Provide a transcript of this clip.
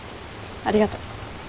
ありがとう。